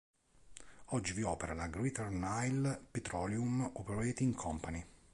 Oggi vi opera la Greater Nile Petroleum Operating Company.